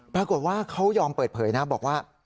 ปรากฏว่าเขายอมเปิดเผยนะบอกว่า